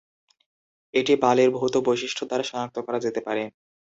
এটি বালির ভৌত বৈশিষ্ট্য দ্বারা সনাক্ত করা যেতে পারে।